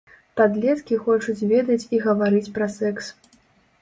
Падлеткі хочуць ведаць і гаварыць пра секс!